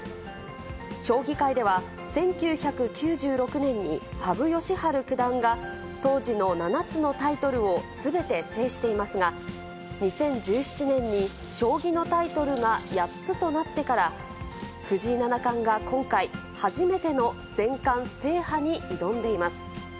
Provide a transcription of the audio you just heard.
将棋界では１９９６年に羽生善治九段が当時の７つのタイトルをすべて制していますが、２０１７年に将棋のタイトルが８つとなってから、藤井七冠が今回、初めての全冠制覇に挑んでいます。